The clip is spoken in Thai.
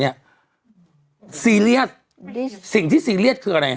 ซีเรียสสิ่งที่ซีเรียสคืออะไรฮ